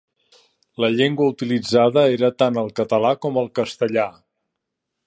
La llengua utilitzada era tant el català com el castellà.